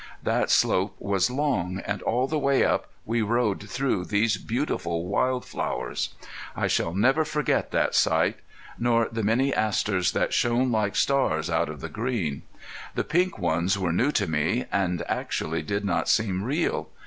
That slope was long, and all the way up we rode through these beautiful wild flowers. I shall never forget that sight, nor the many asters that shone like stars out of the green. The pink ones were new to me, and actually did not seem real.